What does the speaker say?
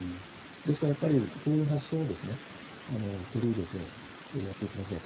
ですからやっぱりこういう発想を取り入れてやっていただきたい。